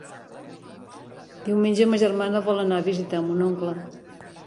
Diumenge ma germana vol anar a visitar mon oncle.